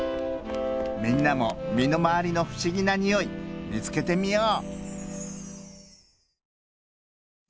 みんなもみのまわりのふしぎなにおいみつけてみよう！